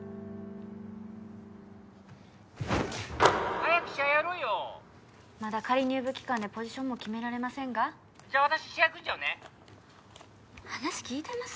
☎早く試合やろうよまだ仮入部期間でポジションも決められませんが☎じゃあ私試合組んじゃうね話聞いてます？